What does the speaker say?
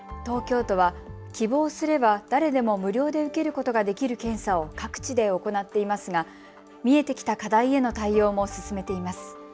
東京都は希望すれば誰でも無料で受けることができる検査を各地で行っていますが見えてきた課題への対応も進めています。